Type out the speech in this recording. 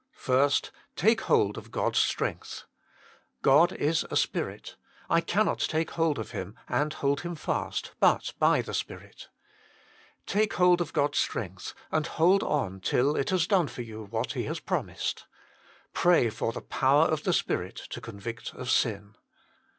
First, take hold of God s strength. God is a Spirit. I cannot take hold of Him, and hold Him fast, but by the Spirit. Take hold of God s strength, and hold on till it has done for you what He has promised. Pray for the power of the Spirit to convict of sin.